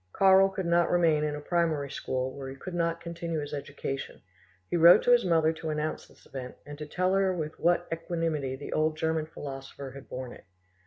Karl could not remain in a primary school where he could not continue his education; he wrote to his mother to announce this event and to tell her with what equanimity the old German philosopher had borne it.